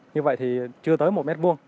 như vậy thì chưa tới một m hai